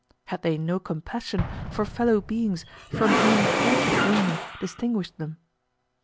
Had they no compassion for fellow beings from whom fortune only distinguished them?